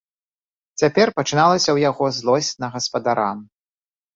Цяпер пачыналася ў яго злосць на гаспадара.